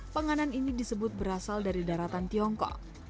penganan ini disebut berasal dari daratan tiongkok